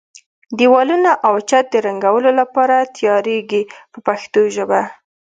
دېوالونه او چت د رنګولو لپاره تیاریږي په پښتو ژبه.